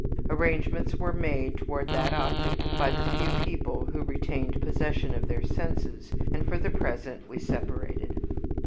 Arrangements were made toward that object by the few people who retained possession of their senses, and for the present we separated.